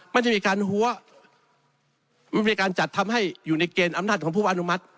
ไม่ได้มีการหัวมันมีการจัดทำให้อยู่ในเกณฑ์อำนาจของผู้อนุมัติ